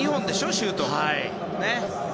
シュート。